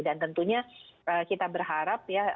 dan tentunya kita berharap